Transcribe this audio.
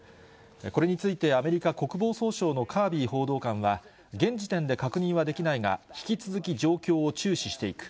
これについて、アメリカ国防総省のカービー報道官は、現時点で確認はできないが、引き続き状況を注視していく。